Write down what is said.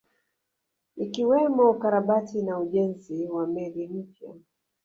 Ikiwemo ukarabati na ujenzi wa meli mpya